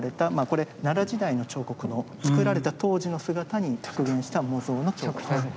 これ奈良時代の彫刻の作られた当時の姿に復元した模造の彫刻。